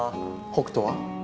北斗は？